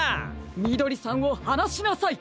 みどりさんをはなしなさい！